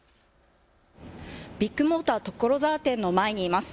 ビッグモーター所沢店の前にいます。